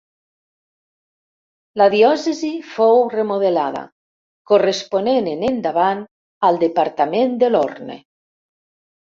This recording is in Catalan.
La diòcesi fou remodelada, corresponent en endavant al departament de l'Orne.